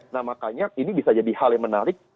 nah makanya ini bisa jadi hal yang menarik